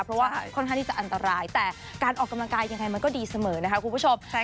เพราะว่าค่อนข้างที่จะอันตรายแต่การออกกำลังกายยังไงมันก็ดีเสมอนะคะคุณผู้ชม